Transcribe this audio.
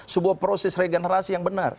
sebuah proses regenerasi yang benar